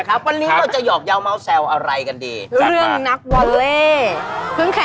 คนนี้เป็นมือเซตเวิร์ลคลาส